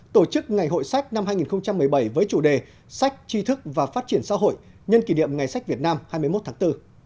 tổ chức ngày hội sách năm hai nghìn một mươi bảy với chủ đề sách tri thức và phát triển xã hội nhân kỷ niệm ngày sách việt nam hai mươi một tháng bốn